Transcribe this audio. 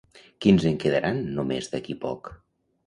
Quins en quedaran només d'aquí poc?